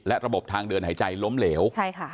และระบบทางเดินหายใจล้มเหลวใช่ค่ะ